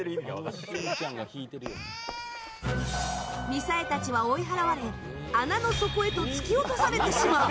みさえたちは追い払われ穴の底へと突き落とされてしまう。